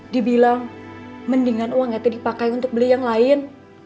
dibilang mendingan uang itu dipakai untuk beli yang lain